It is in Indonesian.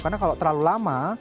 karena kalau terlalu lama